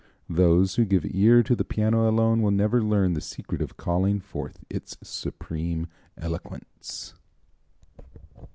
Those who give ear to the piano alone will never learn the secret of calling forth its supreme eloquence.